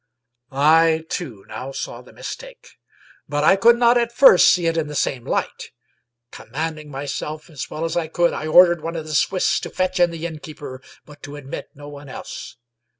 I too now saw the mistake, but I could not at first see it in the same light. Commanding myself as well as I could, I ordered one of the Swiss to fetch in the innkeeper, but to admit no one else.